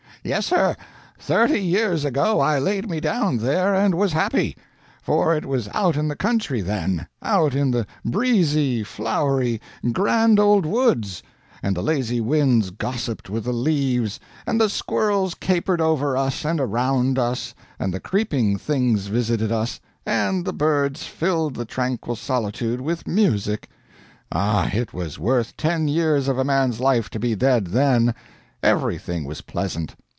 "Yes, sir, thirty years ago I laid me down there, and was happy. For it was out in the country then out in the breezy, flowery, grand old woods, and the lazy winds gossiped with the leaves, and the squirrels capered over us and around us, and the creeping things visited us, and the birds filled the tranquil solitude with music. Ah, it was worth ten years of a man's life to be dead then! Everything was pleasant.